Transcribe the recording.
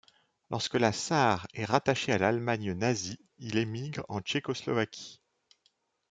Lorsque la Sarre est rattachée à l'Allemagne nazie, il émigre en Tchécoslovaquie.